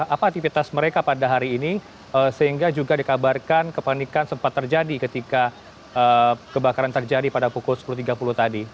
apa aktivitas mereka pada hari ini sehingga juga dikabarkan kepanikan sempat terjadi ketika kebakaran terjadi pada pukul sepuluh tiga puluh tadi